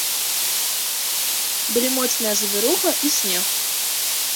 Былі моцная завіруха і снег.